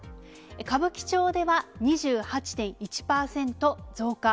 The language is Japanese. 歌舞伎町では２８．１％増加。